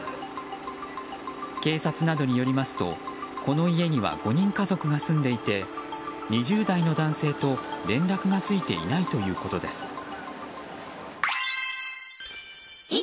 警察などによりますとこの家には５人家族が住んでいて２０代の男性と、連絡がついていないということです。